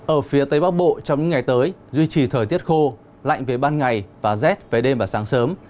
ở phía tây bắc bộ trong những ngày tới duy trì thời tiết khô lạnh về ban ngày và rét về đêm và sáng sớm